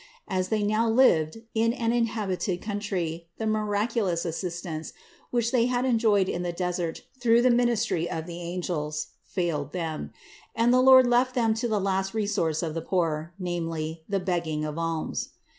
As they now lived in an inhabited country, the miraculous assistance, which they had enjoyed in the desert through the min istry of the angels, failed them; and the Lord left them 560 CITY OF GOD to the last resource of the poor, namely, the begging of alms.